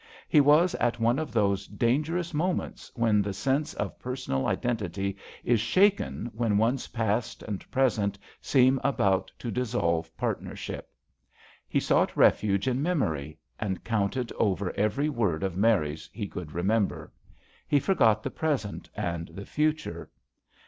He was at one of those dangerous moments when the sense of personal identity is shaken, when one's past and present seem about to dissolve partnership. He sought refuge in memory, and counted over every word of Mary's he could remember. He forgot the present and the future.